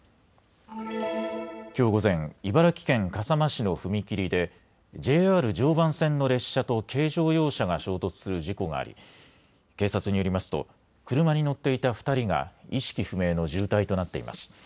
きょう午前、茨城県笠間市の踏切でＪＲ常磐線の列車と軽乗用車が衝突する事故があり警察によりますと車に乗っていた２人が意識不明の重体となっています。